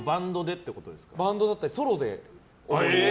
バンドだったりソロで。